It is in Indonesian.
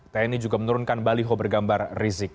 tni juga menurunkan baliho bergambar rizik